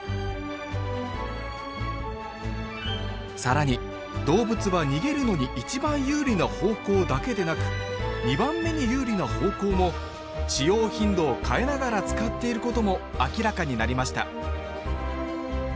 更に動物は逃げるのに一番有利な方向だけでなく２番目に有利な方向も使用頻度を変えながら使っていることも明らかになりました